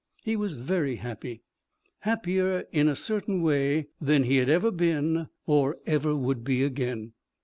He was very happy. Happier, in a certain way, than he had ever been or ever would be again.